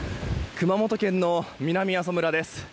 熊本県の南阿蘇村です。